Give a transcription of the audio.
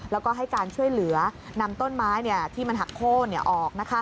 แล้วก็ให้การช่วยเหลือนำต้นไม้ที่มันหักโค้นออก